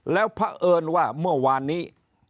แล้วพระเอิญว่าเมื่อวานนี้